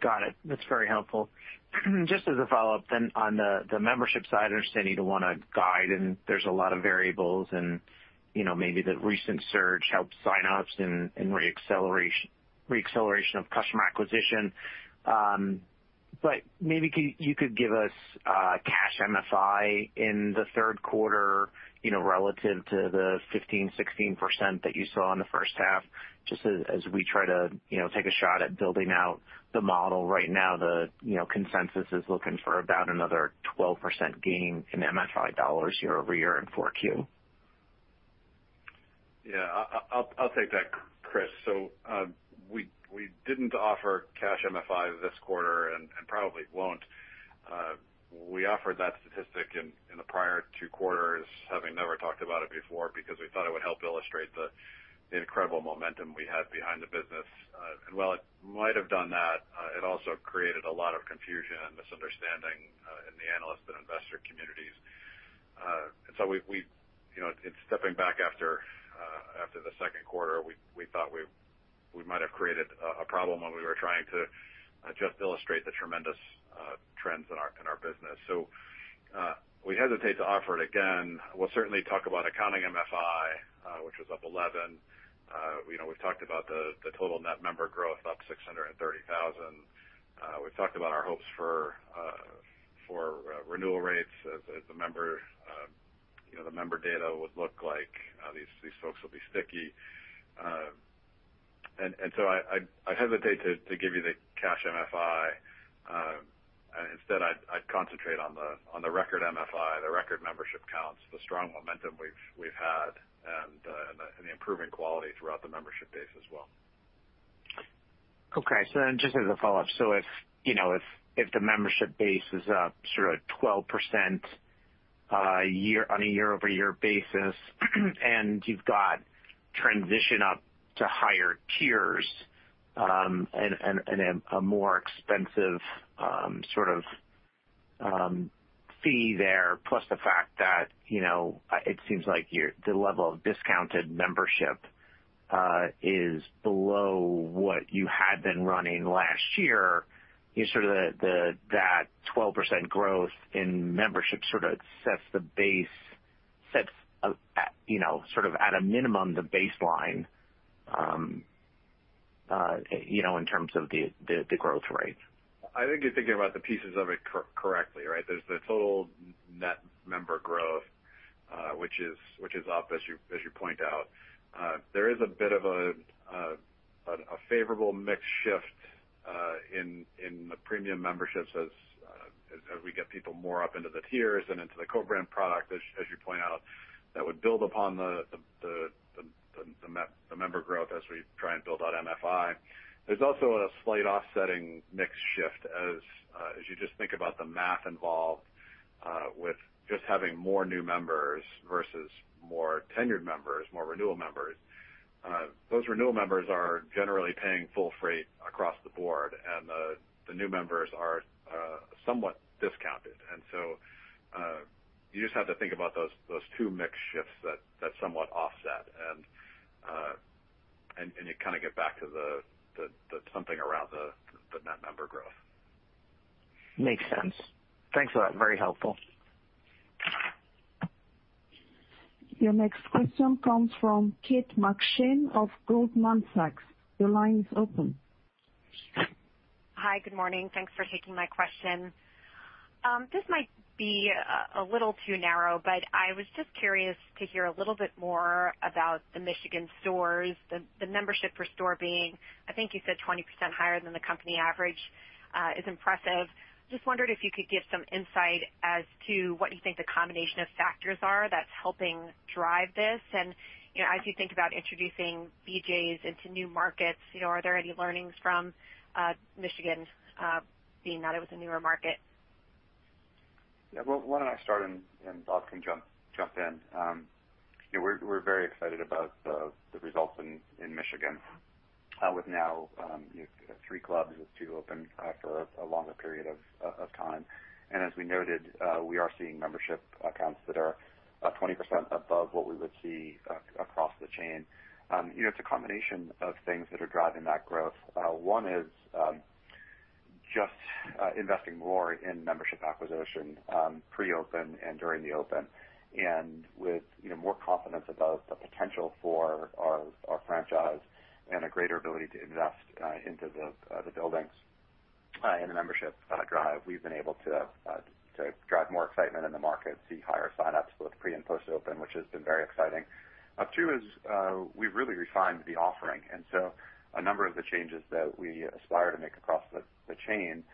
Got it. That's very helpful. Just as a follow-up, on the membership side, I understand you don't want to guide, and there's a lot of variables, and maybe the recent surge helped sign-ups and re-acceleration of customer acquisition. Maybe you could give us cash MFI in the third quarter relative to the 15%-16% that you saw in the first half, just as we try to take a shot at building out the model. Right now, the consensus is looking for about another 12% gain in MFI dollars year-over-year in 4Q.
Yeah. I'll take that, Chris. We didn't offer cash MFI this quarter and probably won't. We offered that statistic in the prior two quarters, having never talked about it before because we thought it would help illustrate the incredible momentum we had behind the business. While it might have done that, it also created a lot of confusion and misunderstanding in the analyst and investor communities. In stepping back after the second quarter, we thought we might have created a problem when we were trying to just illustrate the tremendous trends in our business. We hesitate to offer it again. We'll certainly talk about accounting MFI, which was up 11%. We've talked about the total net member growth up 630,000. We've talked about our hopes for renewal rates as the member data would look like. These folks will be sticky. I hesitate to give you the cash MFI. Instead, I'd concentrate on the record MFI, the record membership counts, the strong momentum we've had, and the improving quality throughout the membership base as well.
Okay. Just as a follow-up, if the membership base is up sort of 12% on a year-over-year basis and you've got transition up to higher tiers, and a more expensive sort of fee there, plus the fact that it seems like the level of discounted membership is below what you had been running last year, that 12% growth in membership sort of sets, at a minimum, the baseline in terms of the growth rate.
I think you're thinking about the pieces of it correctly, right? There's the total net member growth, which is up, as you point out. There is a bit of a favorable mix shift in the premium memberships as we get people more up into the tiers and into the co-brand product, as you point out, that would build upon the member growth as we try and build out MFI. There's also a slight offsetting mix shift as you just think about the math involved with just having more new members versus more tenured members, more renewal members. Those renewal members are generally paying full freight across the board, and the new members are somewhat discounted. You just have to think about those two mix shifts that somewhat offset, and you kind of get back to something around the net member growth.
Makes sense. Thanks a lot. Very helpful.
Your next question comes from Kate McShane of Goldman Sachs. Your line is open.
Hi. Good morning. Thanks for taking my question. This might be a little too narrow, but I was just curious to hear a little bit more about the Michigan stores, the membership for store being, I think you said 20% higher than the company average, is impressive. Just wondered if you could give some insight as to what you think the combination of factors are that's helping drive this. As you think about introducing BJ's into new markets, are there any learnings from Michigan, being that it was a newer market?
Yeah. Why don't I start, and Bob can jump in. We're very excited about the results in Michigan, with now three clubs, with two open for a longer period of time. As we noted, we are seeing membership counts that are 20% above what we would see across the chain. It's a combination of things that are driving that growth. One is just investing more in membership acquisition, pre-open and during the open. With more confidence about the potential for our franchise and a greater ability to invest into the buildings and the membership drive, we've been able to drive more excitement in the market, see higher sign-ups, both pre- and post-open, which has been very exciting. Two is, we've really refined the offering. A number of the changes that we aspire to make across the chain,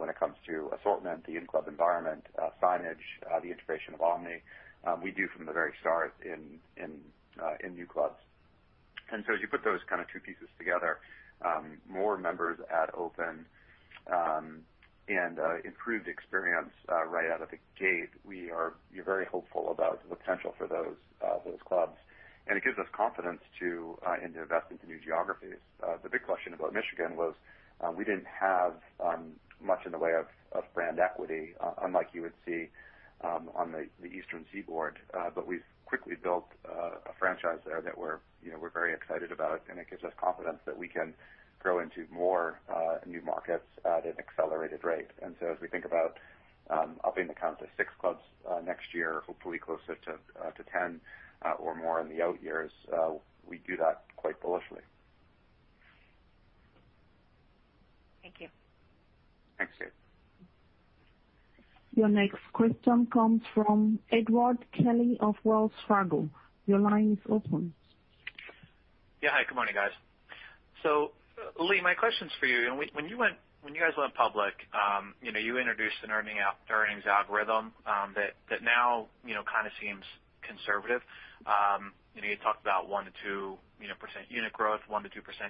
when it comes to assortment, the in-club environment, signage, the integration of omni, we do from the very start in new clubs. As you put those two pieces together, more members at open, and improved experience right out of the gate, we are very hopeful about the potential for those clubs. It gives us confidence into investing to new geographies. The big question about Michigan was, we didn't have much in the way of brand equity, unlike you would see on the Eastern Seaboard. We've quickly built a franchise there that we're very excited about, and it gives us confidence that we can grow into more new markets at an accelerated rate. As we think about upping the count to six clubs next year, hopefully closer to 10 or more in the out years, we do that quite bullishly.
Thank you.
Thanks, Kate.
Your next question comes from Edward Kelly of Wells Fargo. Your line is open.
Yeah. Hi, good morning, guys. Lee, my question's for you. When you guys went public, you introduced an earnings algorithm, that now kind of seems conservative. You talked about 1%-2% unit growth, 1%-2%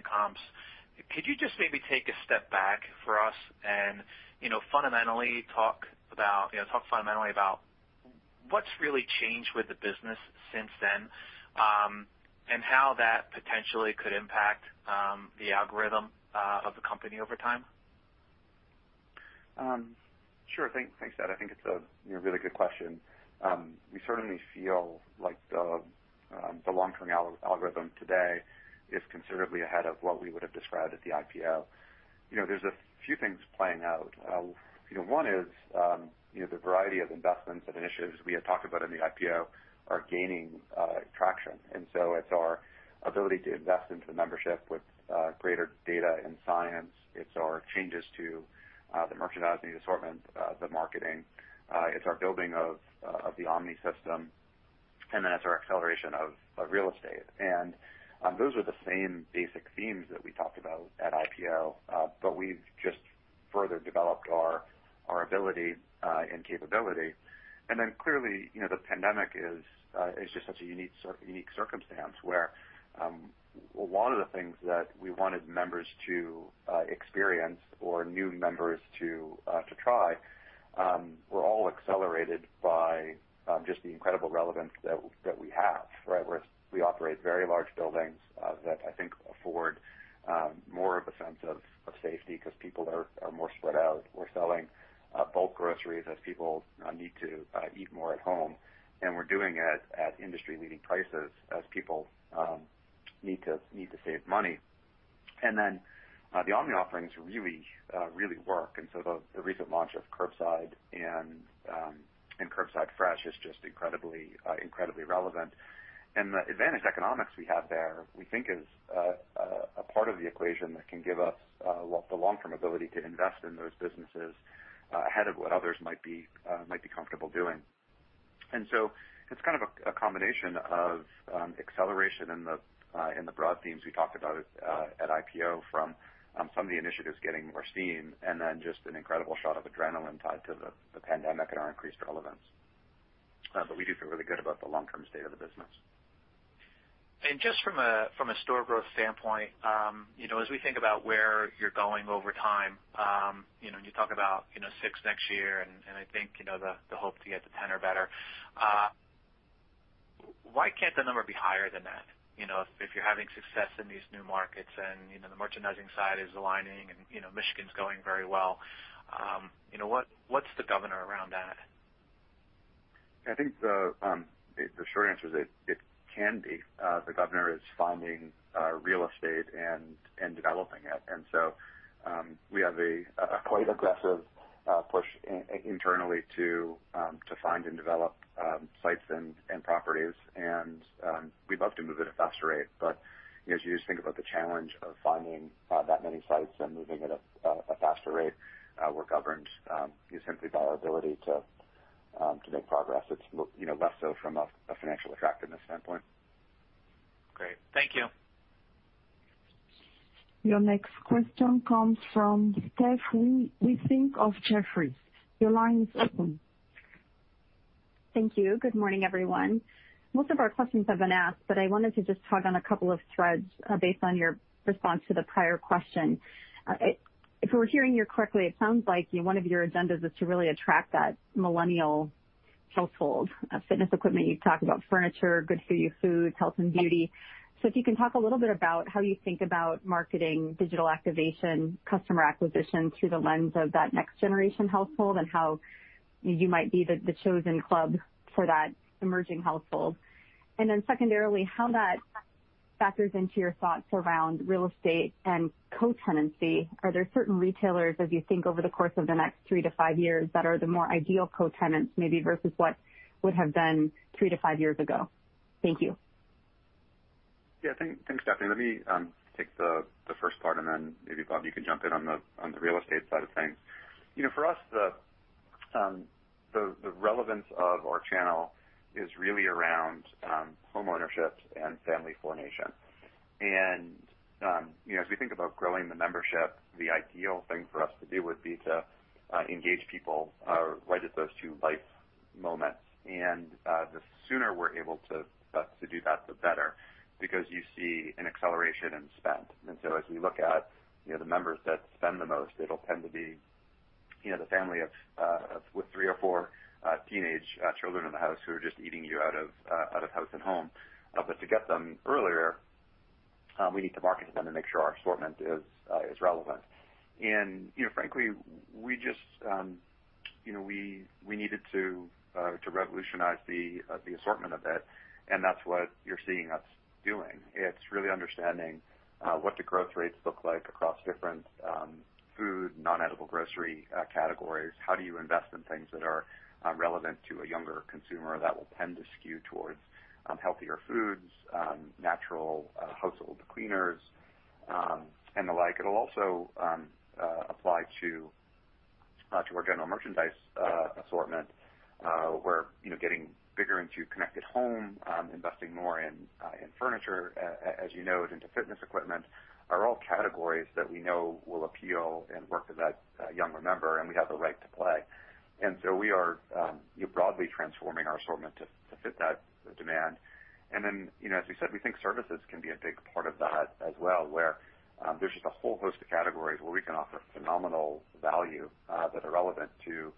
comps. Could you just maybe take a step back for us and talk fundamentally about what's really changed with the business since then, and how that potentially could impact the algorithm of the company over time?
Sure thing. Thanks, Ed. I think it's a really good question. We certainly feel like the long-term algorithm today is considerably ahead of what we would have described at the IPO. There's a few things playing out. One is the variety of investments and initiatives we had talked about in the IPO are gaining traction. It's our ability to invest into the membership with greater data and science. It's our changes to the merchandising assortment, the marketing. It's our building of the omni system, it's our acceleration of real estate. Those are the same basic themes that we talked about at IPO. We've just further developed our ability and capability. Clearly, the pandemic is just such a unique circumstance where one of the things that we wanted members to experience or new members to try, were all accelerated by just the incredible relevance that we have, right? We operate very large buildings that I think afford more of a sense of safety because people are more spread out. We're selling bulk groceries as people need to eat more at home, and we're doing it at industry-leading prices as people need to save money. The omni offerings really work, and so the recent launch of Curbside and Curbside Fresh is just incredibly relevant. The advantage economics we have there, we think is a part of the equation that can give us the long-term ability to invest in those businesses ahead of what others might be comfortable doing. It's kind of a combination of acceleration in the broad themes we talked about at IPO from some of the initiatives getting more steam, and then just an incredible shot of adrenaline tied to the pandemic and our increased relevance. We do feel really good about the long-term state of the business.
Just from a store growth standpoint, as we think about where you're going over time, you talk about six next year, and I think the hope to get to 10 or better. Why can't the number be higher than that? If you're having success in these new markets and the merchandising side is aligning and Michigan's going very well. What's the governor around that?
I think the short answer is it can be. The governor is finding real estate and developing it. We have a quite aggressive push internally to find and develop sites and properties, and we'd love to move at a faster rate. As you just think about the challenge of finding that many sites and moving at a faster rate, we're governed simply by our ability to make progress. It's less so from a financial attractiveness standpoint.
Great. Thank you.
Your next question comes from Stephanie Wissink of Jefferies. Your line is open.
Thank you. Good morning, everyone. Most of our questions have been asked, I wanted to just tug on a couple of threads based on your response to the prior question. If we're hearing you correctly, it sounds like one of your agendas is to really attract that millennial household. Fitness equipment, you've talked about furniture, good for you foods, health and beauty. If you can talk a little bit about how you think about marketing, digital activation, customer acquisition through the lens of that next generation household, and how you might be the chosen club for that emerging household. Then secondarily, how that factors into your thoughts around real estate and co-tenancy. Are there certain retailers, as you think over the course of the next three to five years, that are the more ideal co-tenants maybe, versus what would have been three to five years ago? Thank you.
Yeah. Thanks, Stephanie. Let me take the first part, and then maybe, Bob, you can jump in on the real estate side of things. For us the relevance of our channel is really around home ownership and family formation. As we think about growing the membership, the ideal thing for us to do would be to engage people right at those two life moments. The sooner we're able to do that, the better, because you see an acceleration in spend. As we look at the members that spend the most, it'll tend to be the family with three or four teenage children in the house who are just eating you out of house and home. To get them earlier, we need to market to them and make sure our assortment is relevant. Frankly, we needed to revolutionize the assortment of it, and that's what you're seeing us doing. It's really understanding what the growth rates look like across different food, non-edible grocery categories. How do you invest in things that are relevant to a younger consumer that will tend to skew towards healthier foods, natural household cleaners, and the like. It'll also apply to our general merchandise assortment, where getting bigger into connected home, investing more in furniture, as you noted, into fitness equipment, are all categories that we know will appeal and work with that younger member, and we have the right to play. We are broadly transforming our assortment to fit that demand. As we said, we think services can be a big part of that as well, where there's just a whole host of categories where we can offer phenomenal value that are relevant to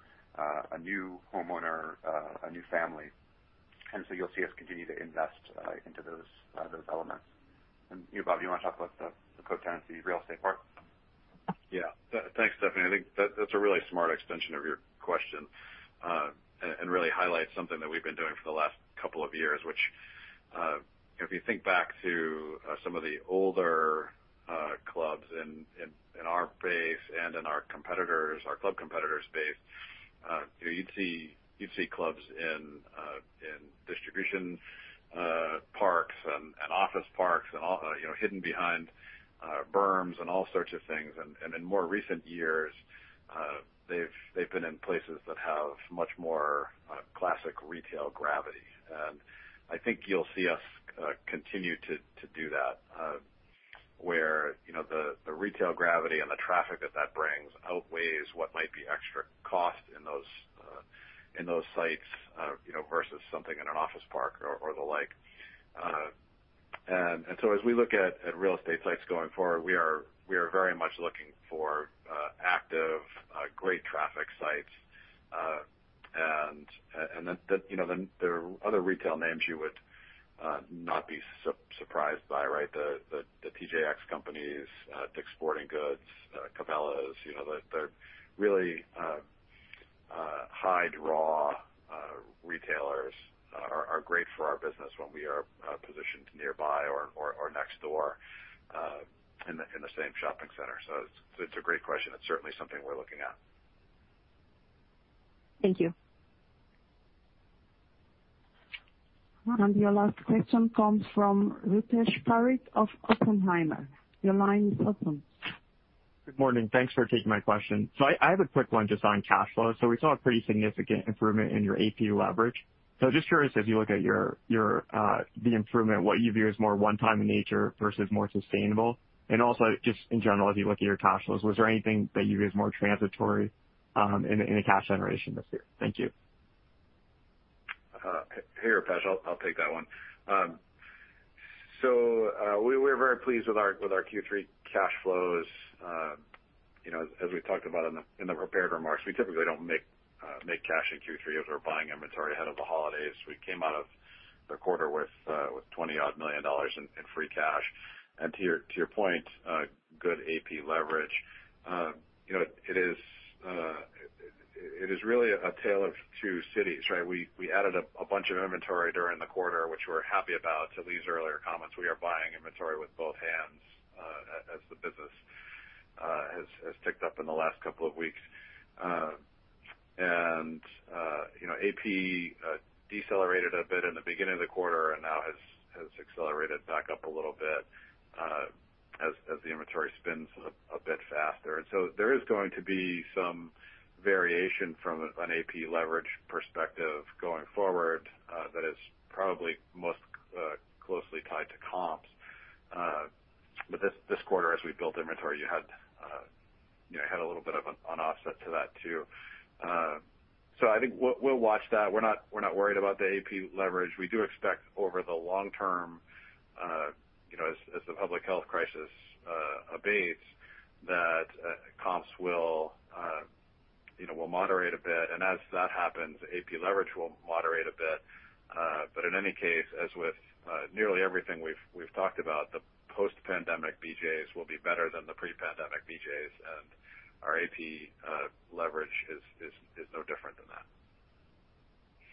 a new homeowner, a new family. You'll see us continue to invest into those elements. You, Bob, you want to talk about the co-tenancy real estate part?
Yeah. Thanks, Stephanie. I think that's a really smart extension of your question and really highlights something that we've been doing for the last couple of years. Which, if you think back to some of the older clubs in our base and in our club competitors' base, you'd see clubs in distribution parks and office parks, hidden behind berms and all sorts of things. In more recent years, they've been in places that have much more classic retail gravity. I think you'll see us continue to do that, where the retail gravity and the traffic that that brings outweighs what might be extra cost in those sites versus something in an office park or the like. As we look at real estate sites going forward, we are very much looking for active, great traffic sites. There are other retail names you would not be surprised by, right? The TJX Companies, DICK’S Sporting Goods, Cabela's. The really high draw retailers are great for our business when we are positioned nearby or next door in the same shopping center. It's a great question. It's certainly something we're looking at.
Thank you.
Your last question comes from Rupesh Parikh of Oppenheimer. Your line is open.
Good morning. Thanks for taking my question. I have a quick one just on cash flow. We saw a pretty significant improvement in your AP leverage. Just curious if you look at the improvement, what you view as more one time in nature versus more sustainable. Also, just in general, as you look at your cash flows, was there anything that you view as more transitory in the cash generation this year? Thank you.
Hey, Rupesh, I'll take that one. We're very pleased with our Q3 cash flows. As we talked about in the prepared remarks, we typically don't make cash in Q3 as we're buying inventory ahead of the holidays. We came out of the quarter with $20 odd million in free cash. To your point, good AP leverage. It is really a tale of two cities, right? We added a bunch of inventory during the quarter, which we're happy about. To Lee's earlier comments, we are buying inventory with both hands as the business has ticked up in the last couple of weeks. AP decelerated a bit in the beginning of the quarter and now has accelerated back up a little bit as the inventory spins a bit faster. There is going to be some variation from an AP leverage perspective going forward that is probably most closely tied to comps. This quarter as we built inventory, you had a little bit of an offset to that too. I think we'll watch that. We're not worried about the AP leverage. We do expect over the long term, as the public health crisis abates, that comps will moderate a bit, and as that happens, AP leverage will moderate a bit. In any case, as with nearly everything we've talked about, the post-pandemic BJ's will be better than the pre-pandemic BJ's, and our AP leverage is no different than that.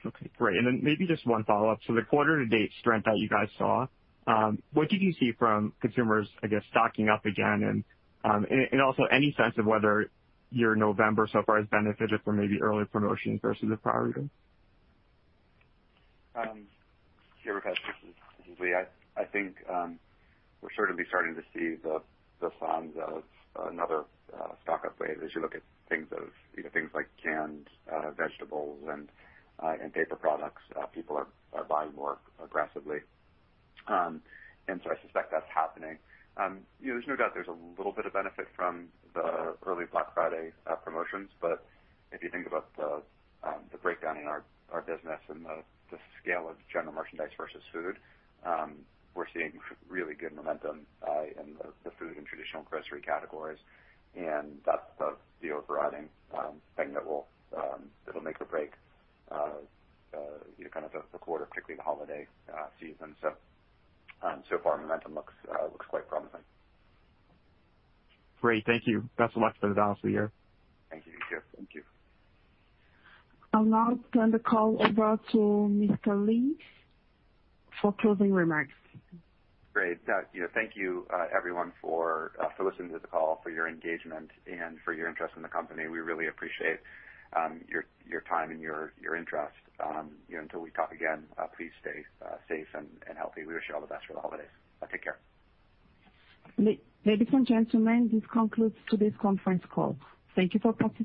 Okay, great. Maybe just one follow-up. The quarter to date strength that you guys saw, what did you see from consumers, I guess, stocking up again? Any sense of whether your November so far has benefited from maybe early promotions versus the prior year?
Sure, this is Lee. I think we're certainly starting to see the signs of another stock-up wave as you look at things like canned vegetables and paper products. People are buying more aggressively. I suspect that's happening. There's no doubt there's a little bit of benefit from the early Black Friday promotions. If you think about the breakdown in our business and the scale of general merchandise versus food, we're seeing really good momentum in the food and traditional grocery categories, and that's the overriding thing that'll make or break the quarter, particularly the holiday season. So far momentum looks quite promising.
Great. Thank you. That's the last for the balance of the year.
Thank you.
Thank you.
I'll now turn the call over to Mr. Lee for closing remarks.
Great. Thank you everyone for listening to the call, for your engagement, and for your interest in the company. We really appreciate your time and your interest. Until we talk again, please stay safe and healthy. We wish you all the best for the holidays. Take care.
Ladies and gentlemen, this concludes today's conference call. Thank you for participating.